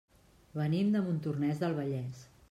Venim de Montornès del Vallès.